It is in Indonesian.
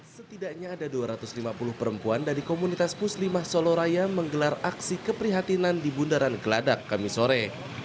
setidaknya ada dua ratus lima puluh perempuan dari komunitas puslimah soloraya menggelar aksi keprihatinan di bundaran geladak kamisore